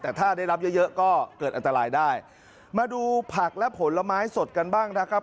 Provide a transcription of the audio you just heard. แต่ถ้าได้รับเยอะเยอะก็เกิดอันตรายได้มาดูผักและผลไม้สดกันบ้างนะครับ